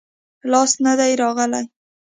لاس ته نه دي راغلي-